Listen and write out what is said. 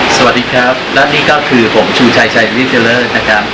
สวัสดีครับและนี่ก็คือผมชูชายชายริฟทิลเลอร์นะครับ